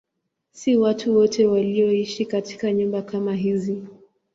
Si watu wote walioishi katika nyumba kama hizi.